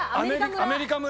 アメリカ村！